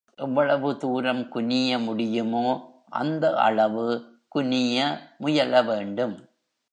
எவ்வளவு தூரம் குனிய முடியுமோ, அந்த அளவு குனிய முயல வேண்டும்.